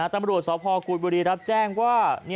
ตำรวจสพกุยบุรีรับแจ้งว่า